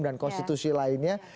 dan konstitusi lainnya